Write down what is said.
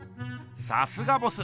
さすがボス！